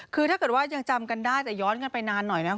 คือถ้าเกิดว่ายังจำกันได้แต่ย้อนกันไปนานหน่อยนะ